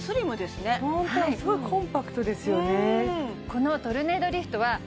すごいコンパクトですよね